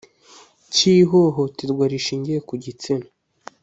Cyihohoterwa rishingiye ku gitsina